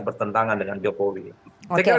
bertentangan dengan jokowi saya kira